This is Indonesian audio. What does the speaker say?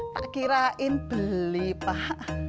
tak kirain beli pak